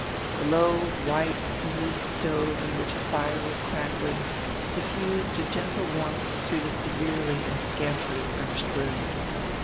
The low, white, smooth stove, in which a fire was crackling, diffused a gentle warmth through the severely and scantily furnished room.